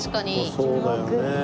そうだよね。